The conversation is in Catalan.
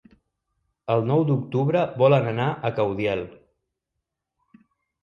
El nou d'octubre volen anar a Caudiel.